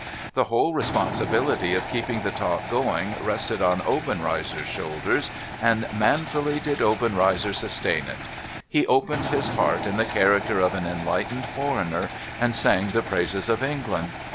The whole responsibility of keeping the talk going rested on Obenreizer's shoulders, and manfully did Obenreizer sustain it. He opened his heart in the character of an enlightened foreigner, and sang the praises of England.